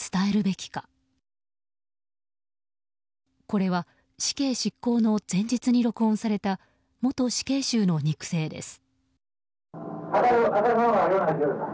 これは死刑執行の前日に録音された元死刑囚の肉声です。